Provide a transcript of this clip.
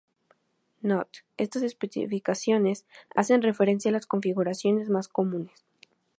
Note: Estas especificaciones hacen referencia a las configuraciones más comunes.